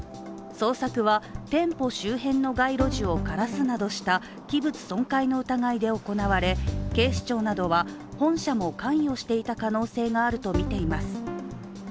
捜索は、店舗周辺の街路樹を枯らすなどした器物損壊の疑いで行われ警視庁などは本社も関与していた可能性があるとみています。